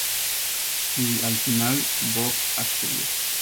Y al final Bob accedió.